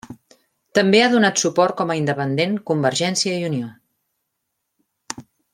També ha donat suport com a independent Convergència i Unió.